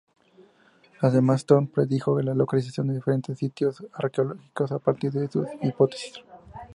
Además Thom predijo la localización de diferentes sitios arqueológicos a partir de su hipótesis.